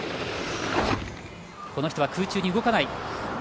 この人は空中に動かない。